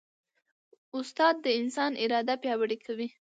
استاد د انسان اراده پیاوړې کوي.